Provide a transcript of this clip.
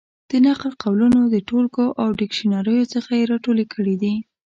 د نقل قولونو د ټولګو او ډکشنریو څخه یې را ټولې کړې.